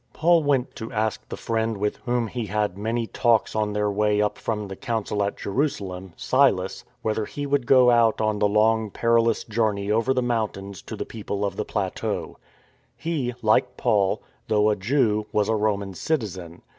Paul went to ask the friend with whom he had had many talks on their way up from the Council at Jerusalem — Silas — whether he would go out on the long, perilous journey over the mountains to the people ^3 Cor. vi. 4 5. 166 THE FORWARD TREAD of the plateau. He — like Paul — though a Jew, was a Roman citizen.